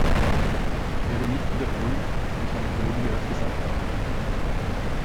Ich werde nicht wiederholen, was meine Kollegen bereits gesagt haben.